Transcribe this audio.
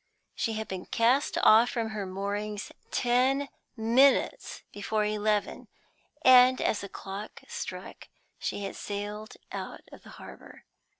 She had been cast off from her moorings ten minutes before eleven, and as the clock struck she had sailed out of the harbor.